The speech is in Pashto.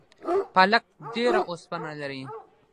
پالک ډیره اوسپنه لري